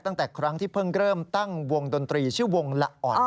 ตั้งแต่ครั้งที่เพิ่งเริ่มตั้งวงดนตรีชื่อวงละอ่อน